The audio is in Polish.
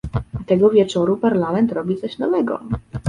Tego wieczoru Parlament robi coś nowego